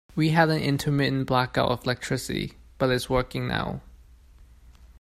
We had an intermittent blackout of electricity, but it's working now.